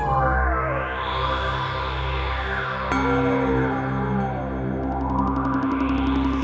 aku tidak percaya dengan kalian